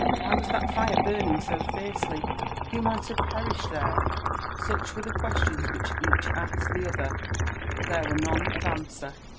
— ^Why was that fire burning so fiercely ?— Who might have perished there ? Such were the questions which each asked the other, but there were none of answer.